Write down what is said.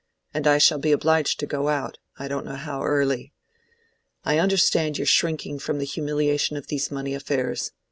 And I shall be obliged to go out—I don't know how early. I understand your shrinking from the humiliation of these money affairs.